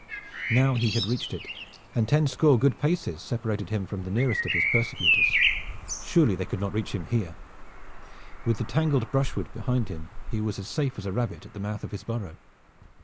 Now he had reached it, and ten score good paces separated him from the nearest of his persecutors. Surely they could not reach him here. With the tangled brushwood behind him he was as safe as a rabbit at the mouth of his burrow.